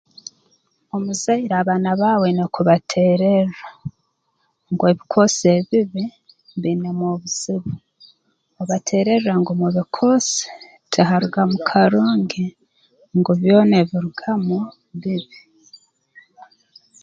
Omuzaire abaana baawe oine kubateererra ngu ebikoosi ebibi biinemu obuzibu obateererre ngu mu bikoosi tiharugamu karungi ngu byona ebirugamu bibi